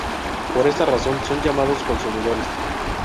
Por esta razón, son llamados consumidores.